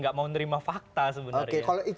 gak mau menerima fakta sebenarnya